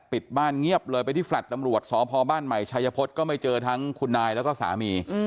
ปิดบ้านเงียบเลยไปที่แลต์ตำรวจสพบ้านใหม่ชายพฤษก็ไม่เจอทั้งคุณนายแล้วก็สามี